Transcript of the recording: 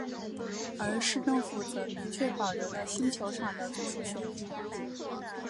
而市政府则明确保留了新球场的最初选址。